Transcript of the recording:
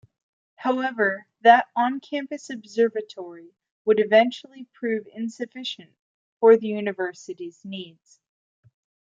However, that on-campus observatory would eventually prove insufficient for the university's needs.